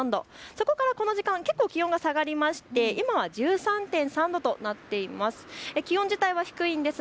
そこからこの時間、結構、気温が下がりまして今は１３．３度となっています。